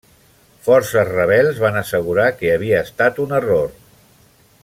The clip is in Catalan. Forces rebels van assegurar que havia estat un error.